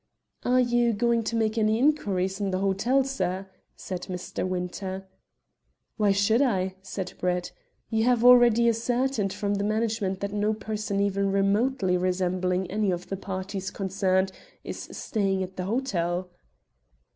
"Are you going to make any inquiries in the hotel, sir?" said Mr. Winter. "Why should I?" said Brett. "You have already ascertained from the management that no person even remotely resembling any of the parties concerned is staying at the hotel."